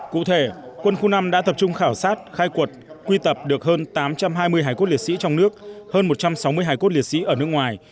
cụ thể quân khu năm đã tập trung khảo sát khai quật quy tập được hơn tám trăm hai mươi hải cốt liệt sĩ trong nước hơn một trăm sáu mươi hải cốt liệt sĩ ở nước ngoài